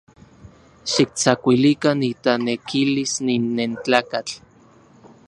Xiktsakuilikan itanekilis nin nentlakatl.